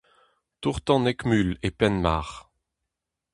Tour-tan Eckmühl e Penmarc'h.